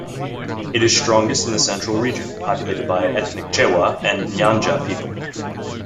It is strongest in the central region, populated by ethnic Chewa and Nyanja people.